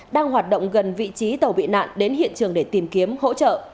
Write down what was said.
đang hoạt động gần vị trí tàu bị nạn đến hiện trường để tìm kiếm hỗ trợ